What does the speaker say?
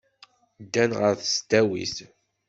Ddan ɣer tesdawit.